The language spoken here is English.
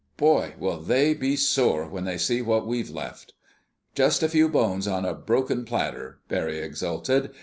"Boy! Will they be sore when they see what we've left!" "Just a few bones on a broken platter!" Barry exulted.